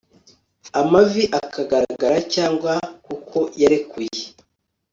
amavi akagaragara, cyangwa kuko yarekuye